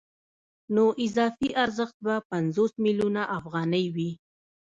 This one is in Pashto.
نو اضافي ارزښت به پنځوس میلیونه افغانۍ وي